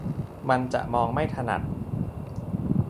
มันจะมองไม่ถนัด